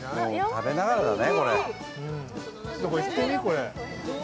食べながらだね。